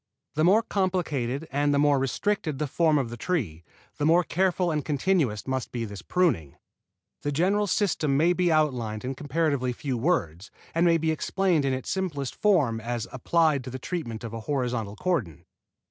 The more complicated and the more restricted the form of the tree, the more careful and continuous must be this pruning. The general system may be outlined in comparatively few words, and may be explained in its simplest form as applied to the treatment of a horizontal cordon.